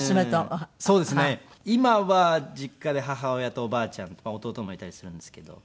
今は実家で母親とおばあちゃんと弟もいたりするんですけど。